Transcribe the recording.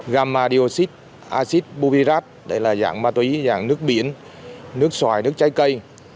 gamma dioxide acid buvirate đây là dạng ma túy dạng nước biển nước xoài nước trái cây